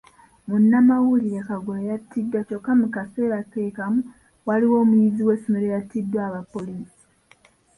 Munnamawulire Kagoro yattiddwa kyokka mu kaseera ke kamu, waliwo omuyizi w'essomero eyattiddwa aba poliisi